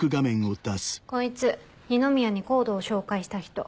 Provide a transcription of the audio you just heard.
こいつ二宮にＣＯＤＥを紹介した人。